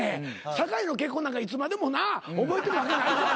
酒井の結婚なんかいつまでもな覚えてるわけないから。